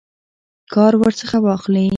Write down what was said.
کار ورڅخه واخلي.